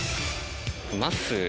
まっすー。